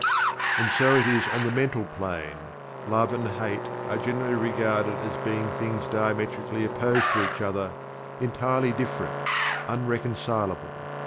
And so it is on the Mental Plane. "Love and. Hate" are generally regarded as being things diametrically opposed to each other; entirely different; unreconcilable.